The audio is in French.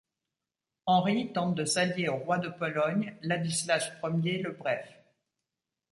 Henri tente de s’allier au roi de Pologne, Ladislas I le Bref.